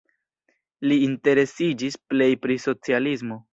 Li interesiĝis plej pri socialismo.